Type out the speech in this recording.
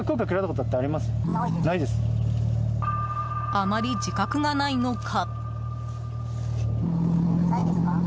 あまり自覚がないのか。